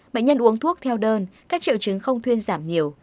bệnh nhân uống thuốc theo đơn các triệu chứng không thuyên giảm nhiều